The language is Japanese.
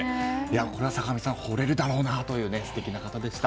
これは坂上さんほれるだろうなという素敵な方でした。